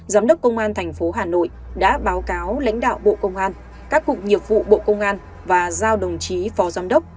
giám đốc công an tp hà nội đã báo cáo lãnh đạo bộ công an các cục nghiệp vụ bộ công an và giao đồng chí phó giám đốc